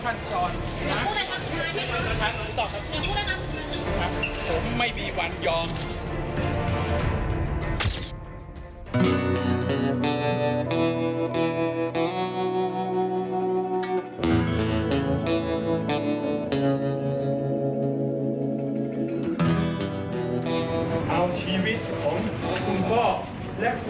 อย่าพูดแน็ตครับอย่าพูดแน็ตครับ